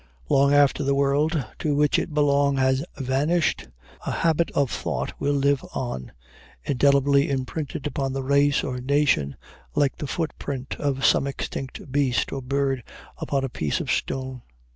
Long after the world to which it belonged has vanished, a habit of thought will live on, indelibly imprinted upon a race or nation, like the footprint of some extinct beast or bird upon a piece of stone.